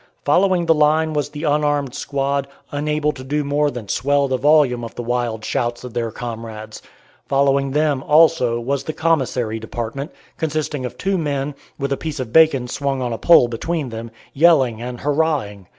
Following the line was the unarmed squad, unable to do more than swell the volume of the wild shouts of their comrades. Following them, also, was the commissary department, consisting of two men, with a piece of bacon swung on a pole between them, yelling and hurrahing.